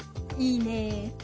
いいねえ。